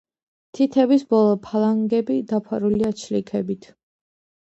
თითების ბოლო ფალანგები დაფარულია ჩლიქებით.